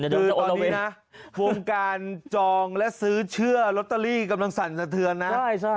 คือตอนนี้นะวงการจองและซื้อเชื่อลอตเตอรี่กำลังสั่นสะเทือนนะ